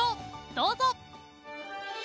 どうぞ！